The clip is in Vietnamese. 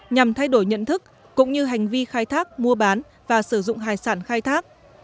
nhằm thay đổi nhận thức cũng như hành vi khai thác mua bán và sử dụng hải sản khai thác